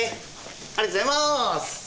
ありがとうございます！